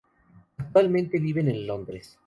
Actualmente viven en Londres.